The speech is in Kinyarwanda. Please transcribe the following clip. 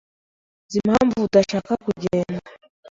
Nzi impamvu udashaka kugenda.